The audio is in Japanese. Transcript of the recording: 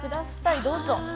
どうぞ。